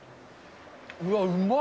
うわ、うま。